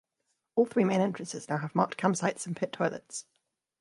All three main entrances now have marked campsites and pit toilets.